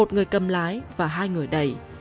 một người cầm lái và hai người đẩy